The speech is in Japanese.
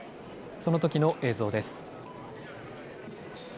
そのときの映像です。